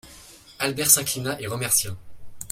Albert s'inclina et remercia.